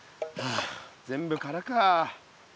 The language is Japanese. あ全部空か。